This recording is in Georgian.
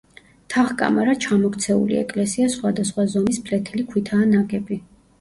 თაღ-კამარა ჩამოქცეული ეკლესია სხვადასხვა ზომის ფლეთილი ქვითაა ნაგები.